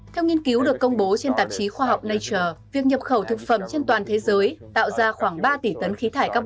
theo nghiên cứu được công bố trên tạp chí khoa học nature việc nhập khẩu thực phẩm trên toàn thế giới tạo ra khoảng ba tỷ tấn khí thải các